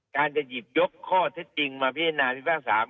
การจะหยิบยกข้อเท็จจริงมาพิจารณาพิพากษา